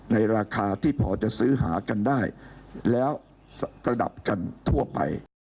ในราคาที่พอจะซื้อหากันได้แล้วประดับกันทั่วไป